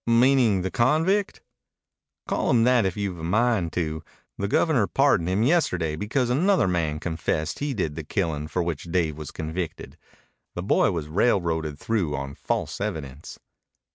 "Meaning the convict?" "Call him that if you've a mind to. The Governor pardoned him yesterday because another man confessed he did the killin' for which Dave was convicted. The boy was railroaded through on false evidence."